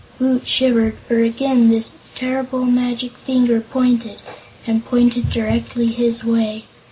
Woot shivered, for again the terrible magic finger pointed, and pointed directly his way.